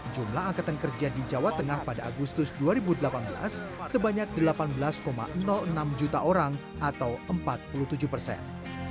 jumlah angkatan kerja di jawa tengah pada agustus dua ribu delapan belas sebanyak delapan belas enam juta orang atau empat puluh tujuh persen